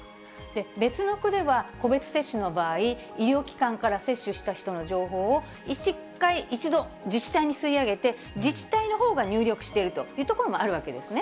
別の区では、個別接種の場合、医療機関から接種した人の情報を一度自治体に吸い上げて、自治体のほうが入力しているという所もあるわけですね。